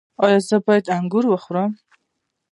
ایا زه باید انګور وخورم؟